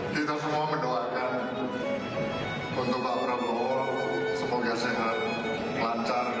kita semua mendoakan untuk bapak prabowo semoga sehat lancar dan sukses dalam kontestasi pemilu dua ribu dua puluh empat